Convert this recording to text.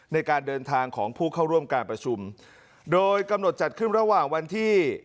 ในการเดินทางของผู้เข้าร่วมการประชุมโดยกำหนดจัดขึ้นระหว่างวันที่